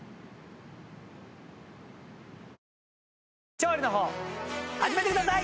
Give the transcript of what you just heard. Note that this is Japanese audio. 調理の方始めてください。